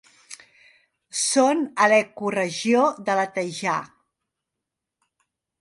Són a l'ecoregió de la taigà.